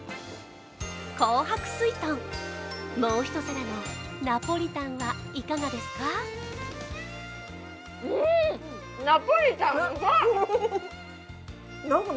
紅白すいとん、もう１皿のナポリタンはいかがですか？